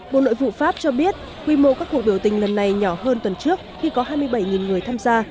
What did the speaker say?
bộ nội vụ pháp cho biết quy mô các cuộc biểu tình lần này nhỏ hơn tuần trước khi có hai mươi bảy người tham gia